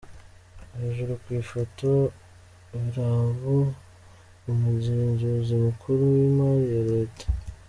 Hejuru ku ifoto: Obadiah Biraro, Umugenzuzi Mukuru w’Imari ya Leta.